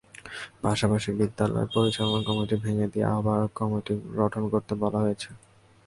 পাশাপাশি বিদ্যালয় পরিচালনা কমিটি ভেঙে দিয়ে আহ্বায়ক কমিটি গঠন করতে বলা হয়েছে।